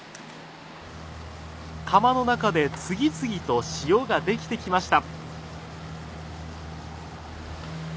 釜の中で次々と塩ができてきました。